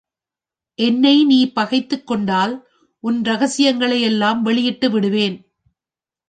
என்னை நீ பகைத்துக்கொண்டால் உன் ரகசியங்களை எல்லாம் வெளியிட்டு விடுவேன்.